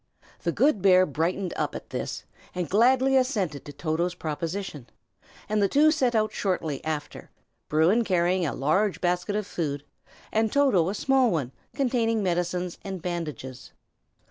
The good bear brightened up at this, and gladly assented to Toto's proposition; and the two set out shortly after, Bruin carrying a large basket of food, and Toto a small one containing medicines and bandages.